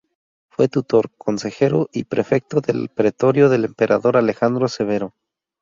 Fue tutor, consejero y prefecto del pretorio del emperador Alejandro Severo.